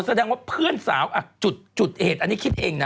แสดงว่าเพื่อนสาวจุดเหตุอันนี้คิดเองนะ